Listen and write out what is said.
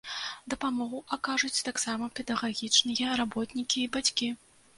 Дапамогу акажуць таксама педагагічныя работнікі і бацькі.